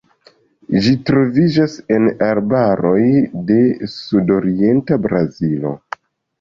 Ĝi troviĝantas en arbaroj de sudorienta Brazilo.